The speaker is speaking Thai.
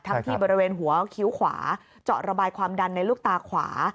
ที่บริเวณหัวคิ้วขวาเจาะระบายความดันในลูกตาขวา